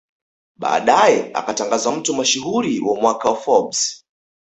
Baadae akatangazwa mtu mashuhuri wa mwaka wa Forbes